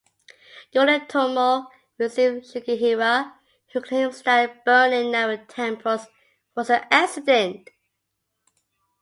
Yoritomo receives Shigehira who claims that burning Nara temples was an accident.